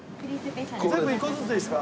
全部１個ずつでいいですか。